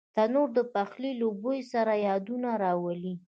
تنور د پخلي له بوی سره یادونه راولي